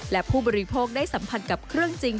และผู้บริโภคได้สัมผัสกับเครื่องจริง